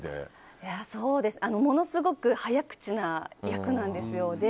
ものすごく早口な役なんですよ。